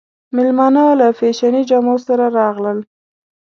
مېلمانه له فېشني جامو سره راغلل.